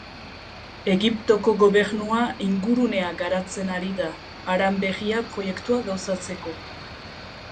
Egiptoko gobernua ingurunea garatzen ari da, Haran Berria Proiektua gauzatzeko.